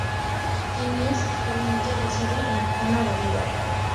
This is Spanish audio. Petrona Martínez actualmente reside en Arjona, Bolívar.